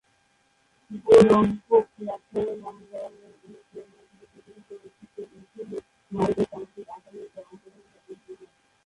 বো-দোং-ফ্যোগ্স-লাস-র্নাম-র্গ্যালের অনুপ্রেরণায় তিনি প্রচলিত ঐতিহ্যের বিরুদ্ধে গিয়ে নারীদের তান্ত্রিক আচার নৃত্যে অংশগ্রহণের উদ্যোগ নেন।